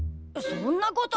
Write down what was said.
そんなこと。